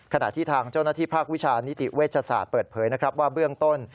ขณะที่ทางเจ้าหน้าที่ภาควิชานิติเวชศาสตร์เปิดเผยนะครับว่าเบื้องต้น